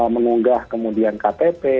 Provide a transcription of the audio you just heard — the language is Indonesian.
mengunggah kemudian ktp